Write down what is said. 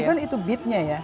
even itu beatnya ya